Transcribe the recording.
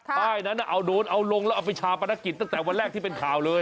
ป้ายนั้นเอาโดนเอาลงแล้วเอาไปชาปนกิจตั้งแต่วันแรกที่เป็นข่าวเลย